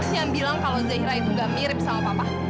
yang bilang kalau zahira itu gak mirip sama papa